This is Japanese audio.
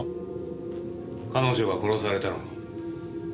彼女が殺されたのに。